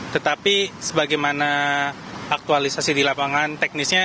tetapi sebagaimana aktualisasi di lapangan teknisnya